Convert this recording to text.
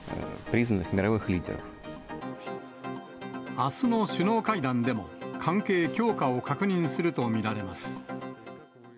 あすの首脳会談でも、関係強化を確認すると見られます。